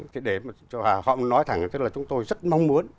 thế để họ nói thẳng là chúng tôi rất mong muốn